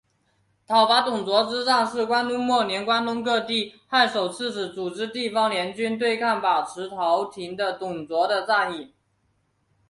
讨伐董卓之战是东汉末年关东各地太守刺史组织地方联军对抗把持朝廷的董卓的战役。